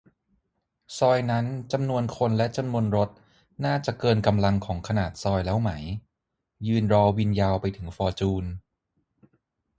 ซอยนั้นจำนวนคนและจำนวนรถน่าจะเกินกำลังของขนาดซอยแล้วไหม ยืนรอวินยาวไปถึงฟอร์จูน